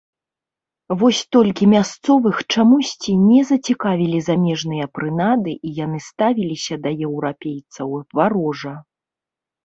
Вось толькі мясцовых чамусьці не зацікавілі замежныя прынады і яны ставіліся да еўрапейцаў варожа.